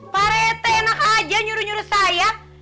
pak rete enak aja nyuruh nyuruh saya